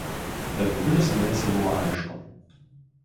Dar gegužės mėnesį buvo aišku